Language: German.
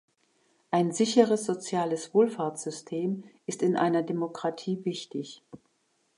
Ein sicheres soziales Wohlfahrtsystem ist in einer Demokratie wichtig.